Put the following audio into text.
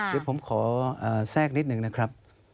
เดี๋ยวผมขอแทรกนิดนึงนะครับ